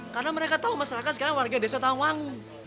karena mereka tau mas raka sekarang warga desa tawang